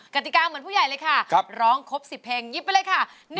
กติกาเหมือนผู้ใหญ่เลยค่ะร้องครบ๑๐เพลงยิบไปเลยค่ะ